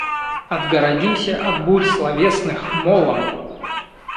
Отгородимся от бурь словесных молом.